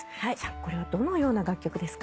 これはどのような楽曲ですか？